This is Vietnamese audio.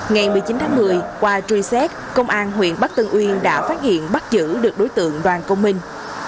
ngày một mươi chín tháng một mươi qua truy xét công an huyện bắc tân uyên đã phát hiện bắt giữ được đối tượng đoàn công minh